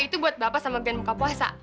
itu buat bapak sama glen muka puasa